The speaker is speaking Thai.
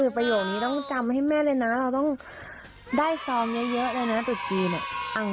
ประโยคนี้ต้องจำให้แม่เลยนะเราต้องได้ซองเยอะเลยนะตุดจีน